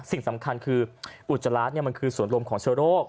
สิ่งสำคัญคืออุจจาระมันคือส่วนลมของเชื้อโรค